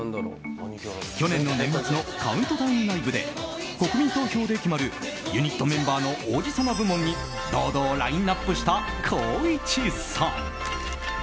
去年の年末のカウントダウンライブで国民投票で決まるユニットメンバーの王子様部門に堂々ラインアップした光一さん。